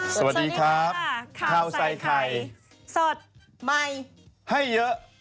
สวัสดีครับข้าวใส่ไข่สดใหม่ให้เยอะ